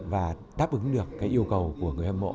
và đáp ứng được cái yêu cầu của người hâm mộ